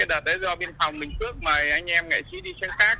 cái đợt đấy do biên phòng bình phước mà anh em nghệ sĩ đi sang khác